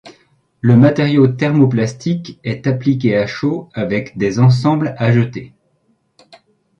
Le matériau thermoplastique est appliqué à chaud avec des ensembles à jeter.